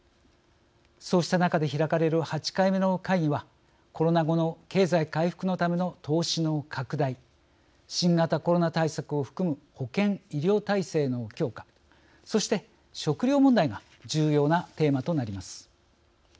そうした中で開かれる８回目の会議はコロナ後の経済回復のための投資の拡大新型コロナ対策を含む保健・医療体制の強化そして食料問題が重要なテーマとなります。